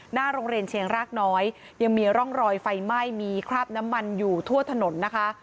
หน้าโรงเรียนเชียงรากน้อยยังมีร่องรอยไฟไหม้มีคราบน้ำมันอยู่ทั่วถนนนะคะ